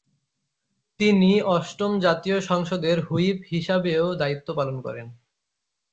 তিনি অষ্টম জাতীয় সংসদের হুইপ হিসাবেও দায়িত্ব পালন করেন।